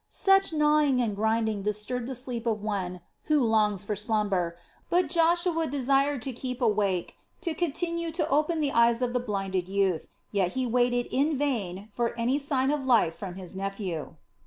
Such gnawing and grinding disturb the sleep of one who longs for slumber; but Joshua desired to keep awake to continue to open the eyes of the blinded youth, yet he waited in vain for any sign of life from his nephew.